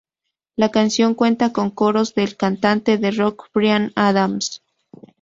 La canción cuenta con coros de el cantante de rock Bryan Adams.